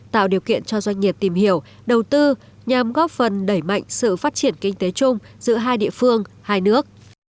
tạo điều kiện cho doanh nghiệp tìm hiểu đầu tư nhằm góp phần đẩy mạnh sự phát triển kinh tế chung giữa hai địa phương hai nước